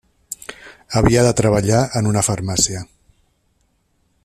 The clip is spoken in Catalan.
Havia de treballar en una farmàcia.